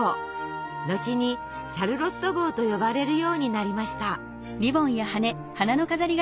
後に「シャルロット帽」と呼ばれるようになりました。